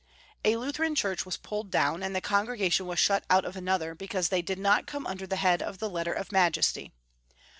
A Lutheran church was pulled down, and the congre gation was shut out of another because they did not come under the head of the Letter of Majesty.